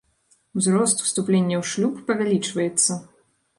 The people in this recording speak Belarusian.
Узрост уступлення ў шлюб павялічваецца.